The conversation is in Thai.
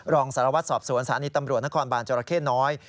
รองสารวัตรสอบสวนสถานีตำรวจนครบานจรเข้น้อย